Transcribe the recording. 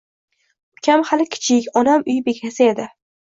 Ukam hali kichik, onam uy bekasi edi